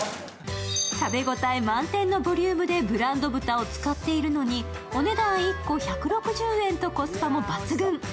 食べ応え満点のボリュームでブランド豚を使っているのにお値段１個１６０円とコスパも抜群。